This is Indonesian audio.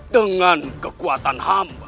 dengan kekuatan hamba